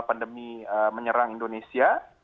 pandemi menyerang indonesia